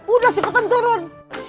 udah cepetan turun